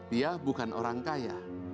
dia bukan orang kaya